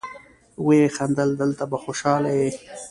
ويې خندل: دلته به خوشاله يې.